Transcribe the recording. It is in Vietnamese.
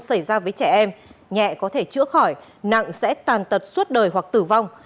xảy ra với trẻ em nhẹ có thể chữa khỏi nặng sẽ tàn tật suốt đời hoặc tử vong